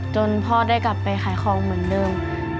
พ่อได้กลับไปขายของเหมือนเดิม